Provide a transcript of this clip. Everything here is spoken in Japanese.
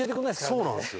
そうなんですよ！